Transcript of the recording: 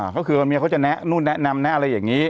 ก็คือว่าเมียเขาจะแนะนู่นแนะนำนะอะไรอย่างนี้